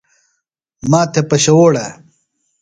ماتھےۡ پشووڑے؟